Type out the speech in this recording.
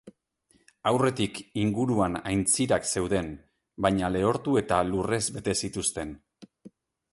Aurretik inguruan aintzirak zeuden baina lehortu eta lurrez bete zituzten.